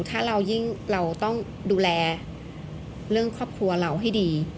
ถ้าเรายิ่งเราต้องดูแลเรื่องครอบครัวเราให้ดี